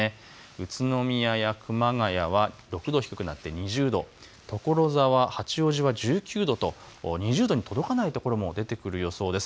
宇都宮や熊谷は６度低くなって２０度、所沢、八王子は１９度と２０度に届かないところも出てくる予想です。